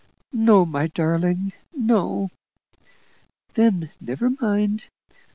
"No, my darling; no!" "Then never mind.